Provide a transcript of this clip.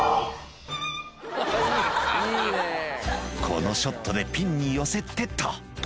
「このショットでピンに寄せてっと」